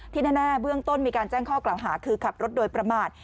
แน่เบื้องต้นมีการแจ้งข้อกล่าวหาคือขับรถโดยประมาท